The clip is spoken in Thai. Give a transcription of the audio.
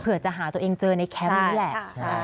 เพื่อจะหาตัวเองเจอในแคมป์นี่แหละ